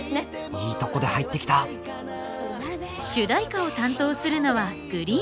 いいとこで入ってきた主題歌を担当するのはＧＲｅｅｅｅＮ。